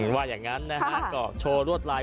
วันต่อเผาอุ่นอุ่นอุ่น